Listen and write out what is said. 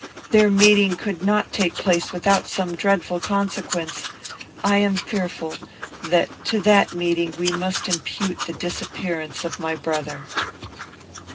Their meeting could not take place without some dreadful consequence. I am fearful that to that meeting we must impute the disappearance of my brother.'